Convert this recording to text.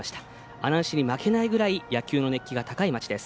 阿南市に負けないぐらい野球の熱気が高い町です。